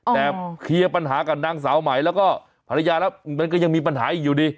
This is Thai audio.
แต่เคลียร์ปัญหากับนางสาวไหมแล้วก็ภรรยาแล้วมันก็ยังมีปัญหาอีกอยู่ดี